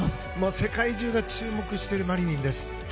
世界中が注目しているマリニンです。